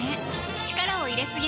力を入れすぎない